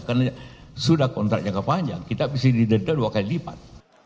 karena sudah kontranya ke panjang kita bisa didedah dua kali lipat